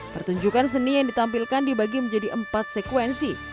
pertunjukan seni yang ditampilkan dibagi menjadi empat sekuensi